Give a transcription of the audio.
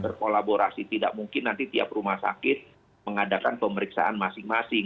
berkolaborasi tidak mungkin nanti tiap rumah sakit mengadakan pemeriksaan masing masing